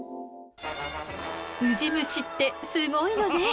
ウジ虫ってすごいのね！